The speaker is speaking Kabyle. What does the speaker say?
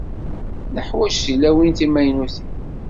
Neḥwaǧ tilawin timaynutin?